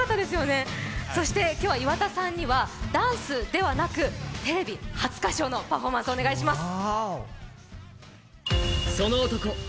そして、今日は岩田さんにはダンスではなく、テレビ初歌唱のパフォーマンスをお願いします。